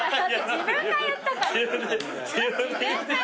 自分が言ったから。